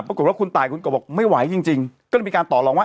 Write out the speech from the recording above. ปรากฏว่าคุณตายคุณกบบอกไม่ไหวจริงก็เลยมีการต่อลองว่า